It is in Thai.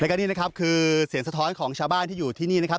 แล้วก็นี่นะครับคือเสียงสะท้อนของชาวบ้านที่อยู่ที่นี่นะครับ